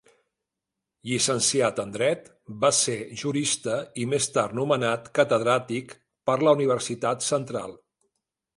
Llicenciat en dret, va ser jurista i més tard nomenat catedràtic per la Universitat Central.